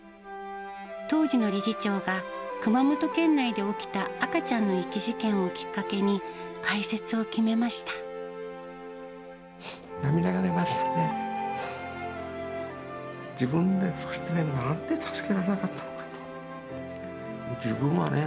当時の理事長が、熊本県内で起きた赤ちゃんの遺棄事件をきっかけに開設を決めまし涙が出ましたね。